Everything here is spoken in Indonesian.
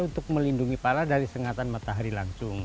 untuk melindungi para dari sengatan matahari langsung